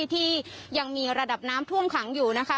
ที่ยังมีระดับน้ำท่วมขังอยู่นะคะ